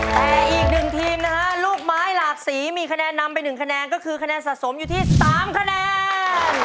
แต่อีกหนึ่งทีมนะฮะลูกไม้หลากสีมีคะแนนนำไป๑คะแนนก็คือคะแนนสะสมอยู่ที่๓คะแนน